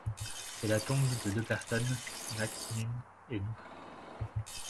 C'est la tombe de deux personnes, Nakhtmin et Nou.